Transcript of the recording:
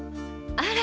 あら！